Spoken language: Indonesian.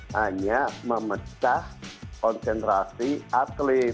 hanya memecah konsentrasi atlet